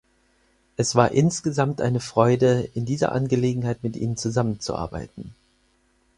Es war insgesamt eine Freude, in dieser Angelegenheit mit ihnen zusammenzuarbeiten.